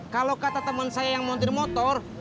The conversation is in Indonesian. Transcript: kalau kata temen saya yang montir motor